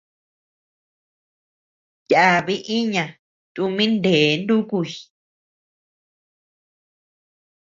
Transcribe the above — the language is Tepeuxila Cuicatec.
Yabi iña tumin nee nukuy.